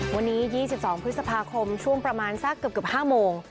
วันนี้๒๒พฤษภาคมช่วงประมาณสักเกือบ๕โมง